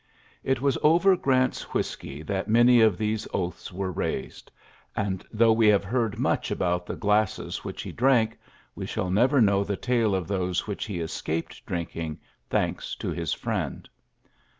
It was over Grant's whiskey that many of these oaths were raised ; and, though we have heard much about the glasses which he drank, we shall never know the tale of those which he escaped drinking, thanks to his friend.